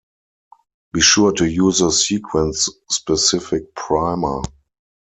Be sure to use a sequence-specific primer.